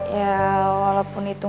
ya walaupun itu